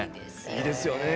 いいですよね